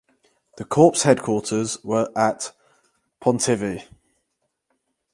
The corps headquarters were at Pontivy.